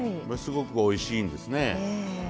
すごくおいしいんですね。